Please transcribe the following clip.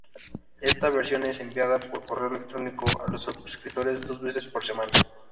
Esta versión es enviada por correo electrónico a los suscriptores dos veces por semana.